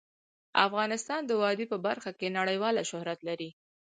افغانستان د وادي په برخه کې نړیوال شهرت لري.